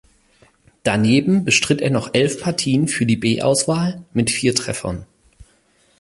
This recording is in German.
Daneben bestritt er noch elf Partien für die B-Auswahl mit vier Treffern.